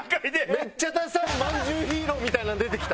めっちゃダサいまんじゅうヒーローみたいなん出てきた。